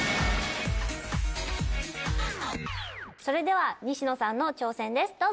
それでは西野さんの挑戦です。